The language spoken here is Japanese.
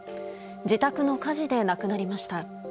自宅の火事で亡くなりました。